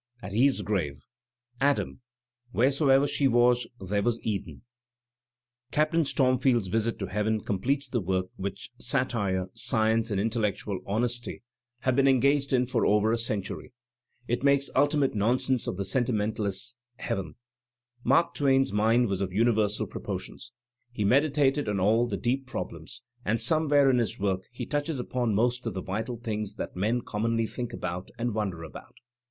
" AT eve's grave "Adam : Wheresoever she was, there was Eden." "Captain Stormfield's Visit to Heaven" completes the work which satire, science, and intellectual honesty have Digitized by VjOOQIC 274 THE SPIRIT OF AMERICAN LITERATURE been engaged in for over a century — it makes ultimate nonsense of the sentimentalist's Heaven. Mark Twain's mind was of universal proportions; he medi tated on all the deep problems, and somewhere in his work he touches upon most of the vital things that men commonly think about and wonder about.